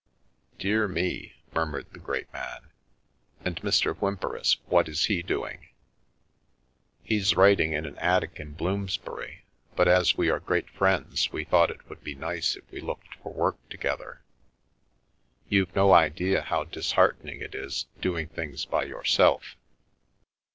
" Dear me," murmured the great man, " and Mr. Whymperis — what is he doing?" " He's writing in an attic in Bloomsbury, but as we are great friends we thought it would be nice if we looked for work together. You've no idea how dis heartening it is doing things by yourself."